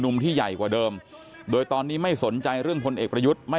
ที่ใหญ่กว่าเดิมโดยตอนนี้ไม่สนใจเรื่องพลเอกประยุทธ์ไม่